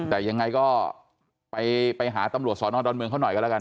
แต่ยังไงก็ไปหาตำรวจสอนอดอนเมืองเขาหน่อยกันแล้วกัน